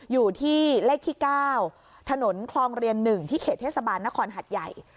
อยู่ที่เลขที่๙ถนนคลองเรียน๑ที่เขตเทศบาลนครหัดใหญ่